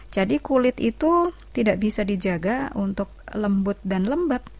jadi kulit itu tidak bisa dijaga untuk lembut dan lembab